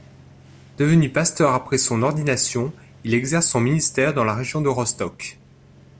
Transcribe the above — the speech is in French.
Devenu pasteur après son ordination, il exerce son ministère dans la région de Rostock.